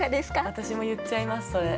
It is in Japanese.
私も言っちゃいますそれ。